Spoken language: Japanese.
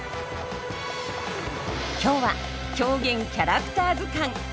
今日は「狂言キャラクター図鑑」。